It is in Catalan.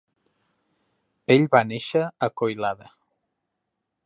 Ell va néixer a Koilada.